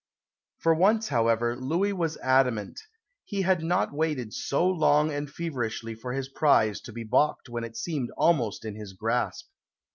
For once, however, Louis was adamant. He had not waited so long and feverishly for his prize to be baulked when it seemed almost in his grasp.